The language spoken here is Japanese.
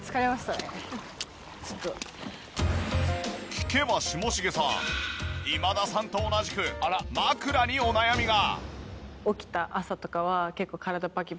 聞けば下重さん今田さんと同じく枕にお悩みが！